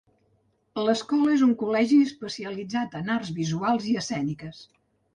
L'escola és un col·legi especialitzat en arts visuals i escèniques.